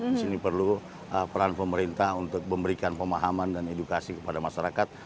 di sini perlu peran pemerintah untuk memberikan pemahaman dan edukasi kepada masyarakat